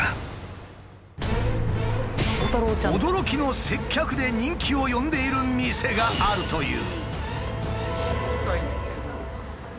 驚きの接客で人気を呼んでいる店があるという。